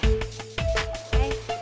tahan tahan tahan tahan